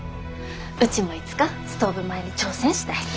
うちもいつかストーブ前に挑戦したい。